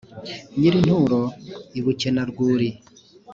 nyir-inturo i bukena-rwuri,